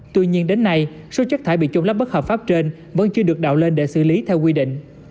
tuy nhiên đến nay số chất thải bị trôn lấp bất hợp pháp trên vẫn chưa được đạo lên để xử lý theo quy định